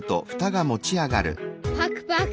パクパク。